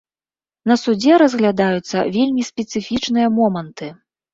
На судзе разглядаюцца вельмі спецыфічныя моманты.